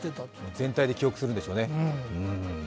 全体で記憶するんでしょうね。